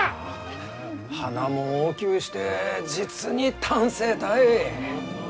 花も大きゅうして実に端正たい！